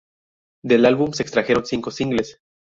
Del álbum se extrajeron cinco singles.